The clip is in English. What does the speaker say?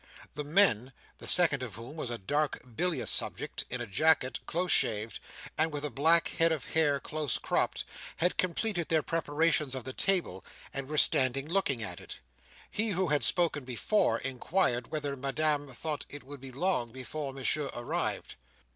The men—the second of whom was a dark, bilious subject, in a jacket, close shaved, and with a black head of hair close cropped—had completed their preparation of the table, and were standing looking at it. He who had spoken before, inquired whether Madame thought it would be long before Monsieur arrived?